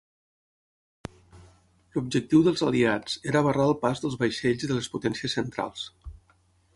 L'objectiu dels aliats era barrar el pas dels vaixells de les Potències Centrals.